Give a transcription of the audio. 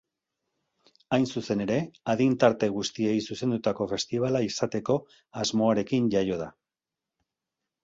Hain zuzen ere, adin tarte guztiei zuzendutako festibala izateko asmoarekin jaio da.